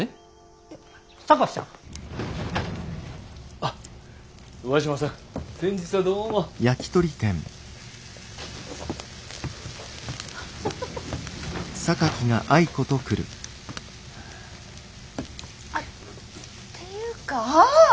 あっっていうかああ！